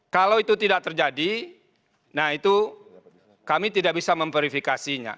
kalau itu tidak terjadi nah itu kami tidak bisa memverifikasinya